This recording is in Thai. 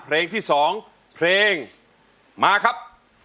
เพลงที่๒เพลงมาครับ